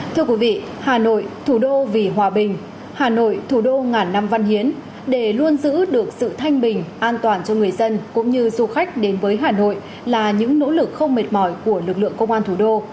thưa quý vị hà nội thủ đô vì hòa bình hà nội thủ đô ngàn năm văn hiến để luôn giữ được sự thanh bình an toàn cho người dân cũng như du khách đến với hà nội là những nỗ lực không mệt mỏi của lực lượng công an thủ đô